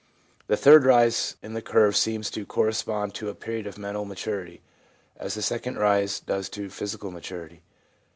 The third rise in the curves seems to correspond to a period of mental maturity, as the second rise does to physical maturity.